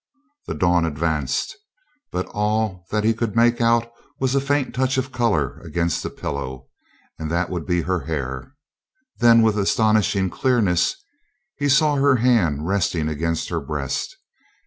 The dawn advanced. But all that he could make out was a faint touch of color againt the pillow and that would be her hair. Then with astonishing clearness he saw her hand resting against her breast.